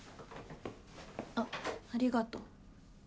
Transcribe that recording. あありがとう。